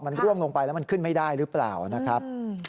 มันร่วงลงไปแล้วมันขึ้นไม่ได้หรือเปล่านะครับ